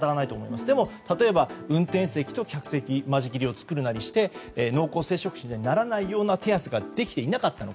しかし、例えば運転席と客席に間仕切りを作るなりして濃厚接触者にならないようにする手筈ができていなかったのか。